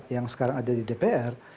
yang sekarang ada di dpr